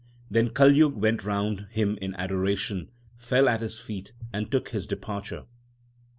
l Then Kaljug went round him in adoration, fell at his feet, and took his departure.